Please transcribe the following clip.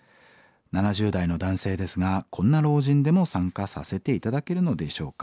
７０代の男性ですがこんな老人でも参加させて頂けるのでしょうか？」。